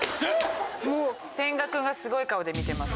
千賀君がすごい顔で見てます。